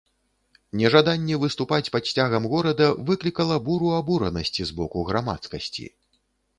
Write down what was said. Нежаданне выступаць пад сцягам горада выклікала буру абуранасці з боку грамадскасці.